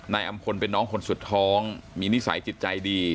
นายอำพลเป็นน้องคนสุดท้องมีนิสัยจิตใจดี